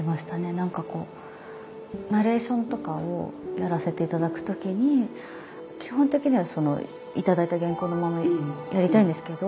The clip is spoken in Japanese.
何かこうナレーションとかをやらせて頂く時に基本的には頂いた原稿のままやりたいんですけど